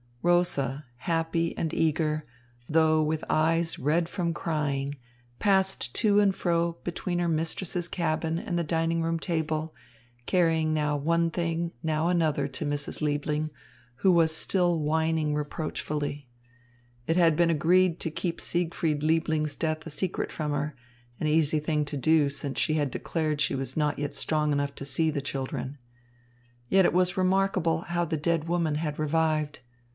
Rosa, happy and eager, though with eyes red from crying, passed to and fro between her mistress's cabin and the dining room table, carrying now one thing, now another, to Mrs. Liebling, who was still whining reproachfully. It had been agreed to keep Siegfried Liebling's death a secret from her, an easy thing to do since she had declared she was not yet strong enough to see the children. Yet it was remarkable how the dead woman had revived.